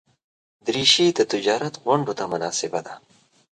دریشي د تجارت غونډو ته مناسبه ده.